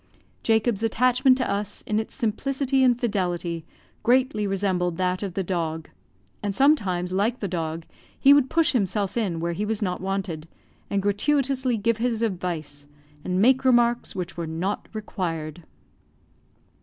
Jacob's attachment to us, in its simplicity and fidelity, greatly resembled that of the dog; and sometimes, like the dog, he would push himself in where he was not wanted, and gratuitously give his advice, and make remarks which were not required.